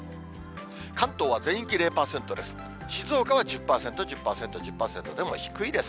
関東は全域０％です。